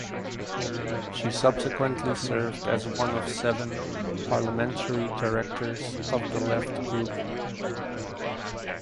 She subsequently served as one of seven parliamentary directors of The Left group.